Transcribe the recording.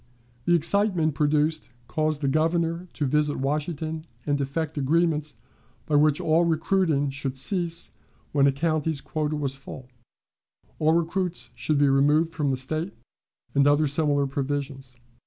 The excitement produced caused the Governor to visit Washington and effect agreements by which all recruiting should cease when a county's quota was full, all recruits should be removed from the State, and other similar provisions.